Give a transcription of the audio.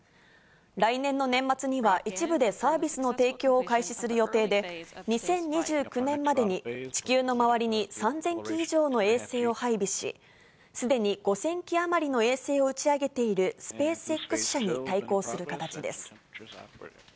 来年の年末には、一部でサービスの提供を開始する予定で、２０２９年までに地球の周りに３０００基以上の衛星を配備し、すでに５０００基余りの衛星を打ち上げているスペースＸ社に対抗する形です。